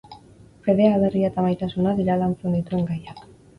Fedea, aberria eta maitasuna dira lantzen dituen gaiak.